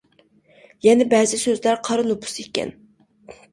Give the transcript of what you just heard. يەنە بەزى سۆزلەر قارا نوپۇس ئىكەن.